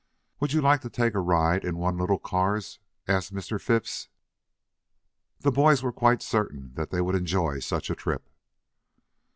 "Would you like to take a ride in one little cars?" asked Mr. Phipps. The boys were quite certain that they would enjoy such a trip.